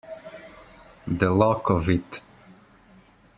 The luck of it.